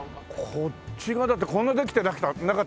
こっち側だってこんなできてなかったしね